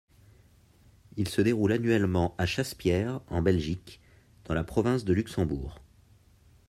Il se déroule annuellement à Chassepierre, en Belgique, dans la province de Luxembourg.